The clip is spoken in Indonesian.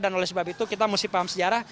dan oleh sebab itu kita mesti paham sejarah